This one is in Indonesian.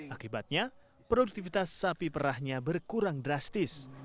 akibatnya produktivitas sapi perahnya berkurang drastis